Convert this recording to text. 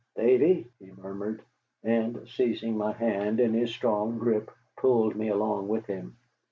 "Davy," he murmured, and, seizing my hand in his strong grip, pulled me along with him.